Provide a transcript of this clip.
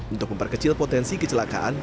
untuk memperkecil potensi kecelakaan